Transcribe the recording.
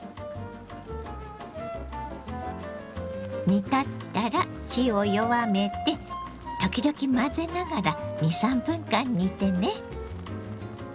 煮立ったら火を弱めて時々混ぜながら２３分間煮てね。